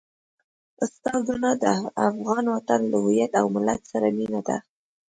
ستا ګناه د افغان وطن له هويت او ملت سره مينه ده.